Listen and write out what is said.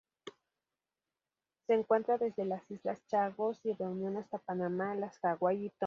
Se encuentra desde las Islas Chagos y Reunión hasta Panamá, las Hawaii y Tonga.